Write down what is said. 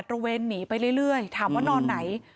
ระเวนหนีไปเรื่อยถามว่านอนไหน